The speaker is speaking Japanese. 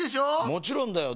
もちろんだよ。